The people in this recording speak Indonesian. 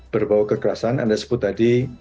berbau kekerasan anda sebut tadi